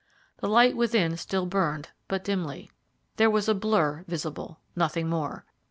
The light within still burned, but dimly. There was a blur visible, nothing more.